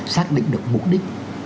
xác định được mục đích